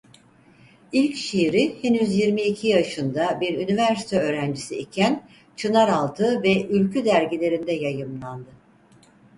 İlk şiiri henüz yirmi iki yaşında bir üniversite öğrencisi iken Çınaraltı ve Ülkü dergilerinde yayımlandı.